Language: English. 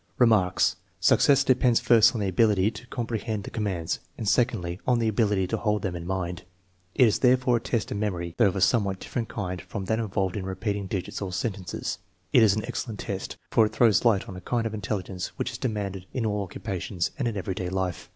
Remarks. Success depends first on the ability to compre hend the commands, and secondly, on the ability to hold them in mind. It is therefore a test of memory, though of a somewhat different kind from that involved in repeat ing digits or sentences. It is an excellent test, for it throws light on a kind of intelligence which is demanded in all occupations and in everyday life.